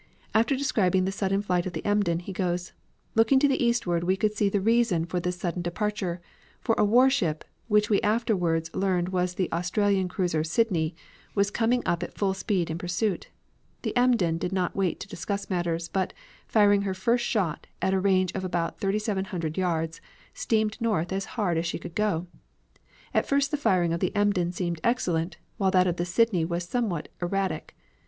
After describing the sudden flight of the Emden, he goes on: "Looking to the eastward we could see the reason for this sudden departure, for a warship, which we afterwards learned was the Australian cruiser Sydney, was coming up at full speed in pursuit. The Emden did not wait to discuss matters, but, firing her first shot at a range of about 3,700 yards, steamed north as hard as she could go. At first the firing of the Emden seemed excellent, while that of the Sydney was somewhat erratic.